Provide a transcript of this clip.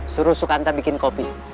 suruh sukanta bikin kopi